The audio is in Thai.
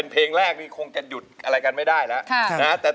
เพราะ